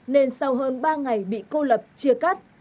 nên sau hơn ba ngày bị cô lập chia cắt